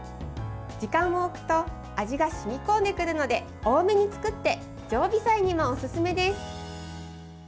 時間を置くと味が染み込んでくるので多めに作って常備菜にもおすすめです。